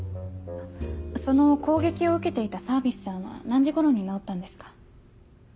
その攻撃を受けていたサービスさんは何時頃に直ったんですか？